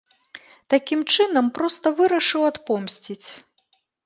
Такім чынам проста вырашыў адпомсціць.